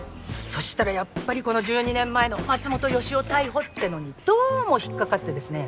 そしたらやっぱりこの１２年前の松本良夫逮捕ってのにどうも引っ掛かってですね。